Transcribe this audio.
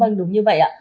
vâng đúng như vậy ạ